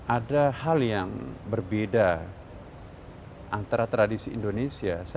ada hal yang berbeda antara tradisi indonesia